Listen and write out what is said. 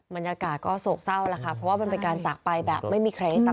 บรรยากาศก็โศกเศร้าแล้วค่ะเพราะว่ามันเป็นการจากไปแบบไม่มีใครให้ตั้ง